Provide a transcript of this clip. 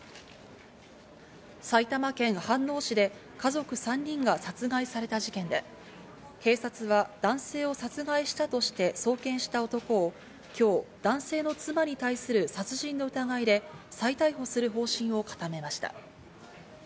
埼玉県飯能市で家族３人が殺害された事件で、警察は男性を殺害したとして送検した男を、今日、男性の妻に対する殺人の疑いで再逮捕する方針を固めました。